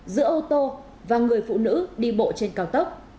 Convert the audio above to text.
giữa ô tô và người phụ nữ đi bộ trên cao tốc